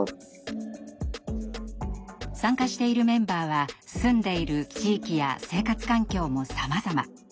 参加しているメンバーは住んでいる地域や生活環境もさまざま。